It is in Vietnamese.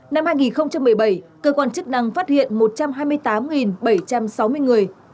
năm hai nghìn một mươi bảy cơ quan chức năng phát hiện một trăm hai mươi tám bảy trăm sáu mươi người